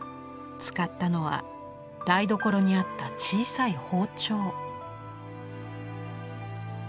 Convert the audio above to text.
使ったのは台所にあった小さい包丁。